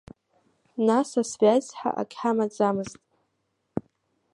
Нас асвиаз ҳа агьҳамаӡымзт.